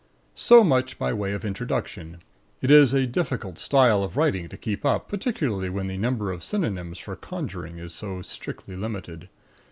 So much by way of introduction. It is a difficult style of writing to keep up, particularly when the number of synonyms for "conjuring" is so strictly limited.